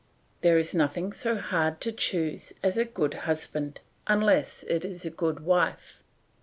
"There is nothing so hard to choose as a good husband, unless it is a good wife.